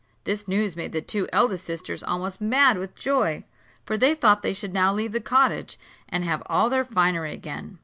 This news made the two eldest sisters almost mad with joy; for they thought they should now leave the cottage, and have all their finery again.